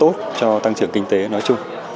tốt cho tăng trưởng kinh tế nói chung